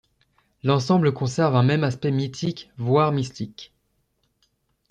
L'ensemble conserve un même aspect mythique voir mystique.